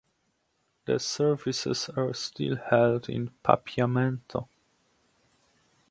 The services are still held in Papiamento.